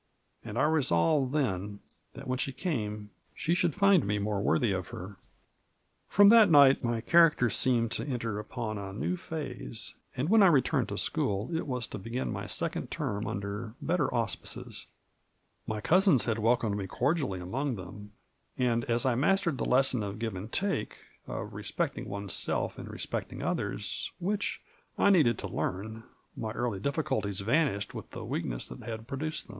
And I resolved then that when she came she should find me more worthy of her. From that night my character seemed to enter upon a new phase, and when I returned to school it was to begin my second term under better auspices. My cousins had welcomed me cordially among them, and as I mastered the lesson of give and take, of respect ing one's self in respecting others, which I needed to learn, my early difficulties vanished with the weakness that had produced them.